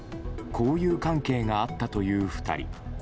交友関係があったという２人。